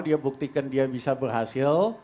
dia buktikan dia bisa berhasil